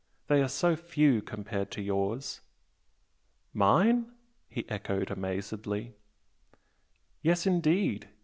they are so few compared to yours!" "Mine?" he echoed amazedly. "Yes, indeed!